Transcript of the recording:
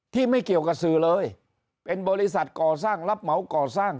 ไม่เกี่ยวกับสื่อเลยเป็นบริษัทก่อสร้างรับเหมาก่อสร้าง